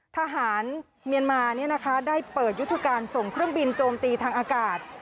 ทหารเมียนมาได้เปิดยุทธการส่งเครื่องบินโจมตีทางอากาศ